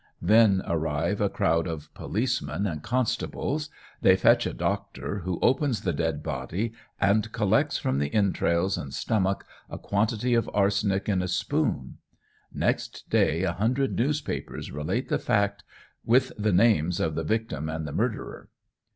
Then arrive a crowd of policemen and constables. They fetch a doctor, who opens the dead body, and collects from the entrails and stomach a quantity of arsenic in a spoon. Next day a hundred newspapers relate the fact, with the names of the victim and the murderer.